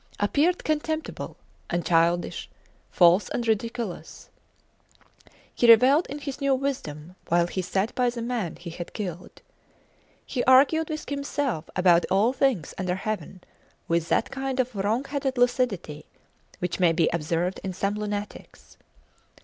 Appeared contemptible and childish, false and ridiculous. He revelled in his new wisdom while he sat by the man he had killed. He argued with himself about all things under heaven with that kind of wrong headed lucidity which may be observed in some lunatics.